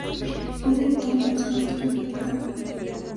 Fue director del Observatorio Vaticano.